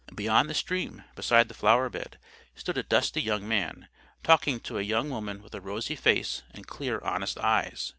Beyond the stream, beside the flower bed, stood a dusty young man, talking to a young woman with a rosy face and clear honest eyes.